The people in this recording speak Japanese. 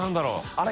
あれ？